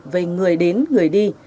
về người đến người đi